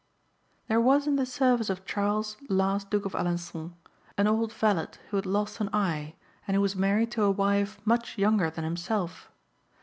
There was in the service of Charles, last Duke of Alençon, an old valet who had lost an eye, and who was married to a wife much younger than himself.